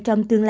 trong tương lai